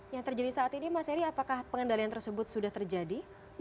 yang terjadi saat ini mas eri apakah pengendalian tersebut sudah terjadi